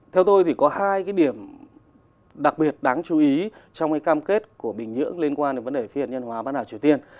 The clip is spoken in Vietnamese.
theo tôi thì có hai cái điểm đặc biệt đáng chú ý trong cái cam kết của bình nhưỡng liên quan đến vấn đề phi hạt nhân hóa bán đảo triều tiên